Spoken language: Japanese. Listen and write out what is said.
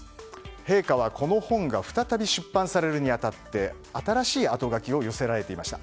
陛下は、この本が再び出版されるに当たって新しい後書きを寄せられていました。